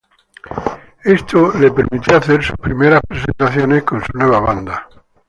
Esto le permitió hacer sus primeras presentaciones con su nueva banda.